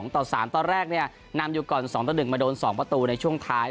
ตอนแรกนำอยู่ก่อน๒๑มาโดน๒ประตูในช่วงท้าย